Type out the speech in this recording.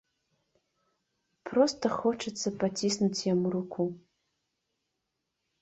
Проста хочацца паціснуць яму руку.